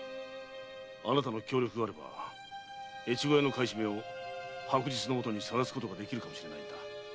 あなたの協力があれば越後屋の買い占めを白日の下に晒すことができるかもしれない。